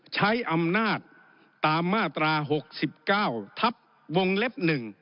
ใช้อำนาจตามมาตรา๖๙ทับวงเล็บ๑